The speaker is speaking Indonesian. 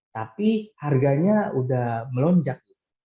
tapi harganya udah melonjak